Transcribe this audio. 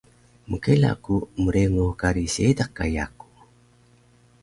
Mkela ku mrengo kari Seediq ka yaku